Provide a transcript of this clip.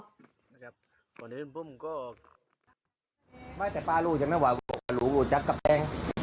ครับตอนนี้มันก็ไม่แต่ป้าลูกใช่ไหมวะลูกจั๊กกับแป้ง